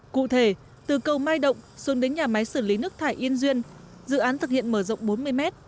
cụ thể từ cầu mai động xuống đến nhà máy xử lý nước thải yên duyên dự án thực hiện mở rộng bốn mươi mét